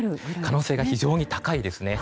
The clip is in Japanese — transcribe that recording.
可能性が非常に高いですね。